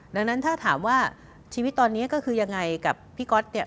ดังนั้นถ้าถามว่าชีวิตตอนนี้ก็คือยังไงกับพี่ก๊อตเนี่ย